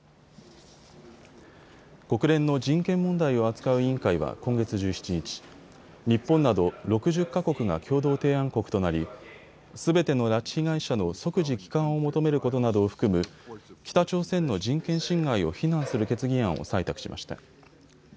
国連の人権問題を扱う委員会は今月１７日、日本など６０か国が共同提案国となりすべての拉致被害者の即時帰還を求めることなどを含む北朝鮮の人権侵害を非難する決議案を採択しました。